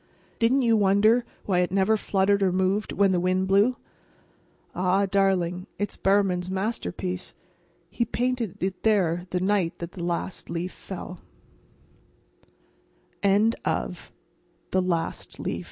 Didn't you wonder why it never fluttered or moved when the wind blew? Ah, darling, it's Behrman's masterpiece—he painted it there the night that the last leaf